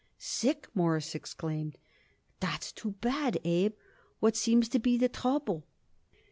"Sick!" Morris exclaimed. "That's too bad, Abe. What seems to be the trouble?"